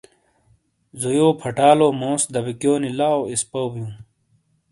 ضویوں پھَٹالو موس دَبکیونی لاؤ اِسپاؤ بیوں۔